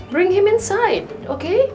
bawa dia ke dalam oke